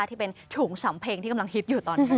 ที่เป็นถุงสำเพ็งที่กำลังฮิตอยู่ตอนนี้